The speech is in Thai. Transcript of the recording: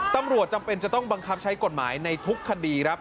จำเป็นจะต้องบังคับใช้กฎหมายในทุกคดีครับ